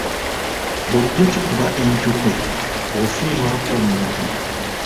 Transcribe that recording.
Bulijjo kikuba enkyukwe bw'ofiirwako omuntu.